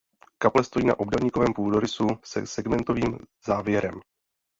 Kaple stojí na obdélníkovém půdorysu se segmentovým závěrem.